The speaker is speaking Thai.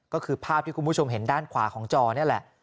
ก็คือภาพที่คุณผู้ชมเห็นด้านขวาของจอนี่แหละ